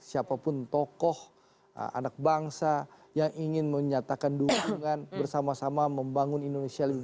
siapapun tokoh anak bangsa yang ingin menyatakan dukungan bersama sama membangun indonesia lebih baik